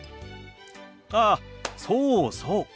あそうそう。